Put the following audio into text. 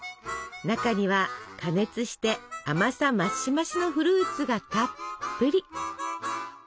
中には加熱して甘さ増し増しのフルーツがたっぷり。